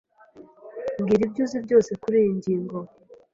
Mbwira ibyo uzi byose kuriyi ngingo.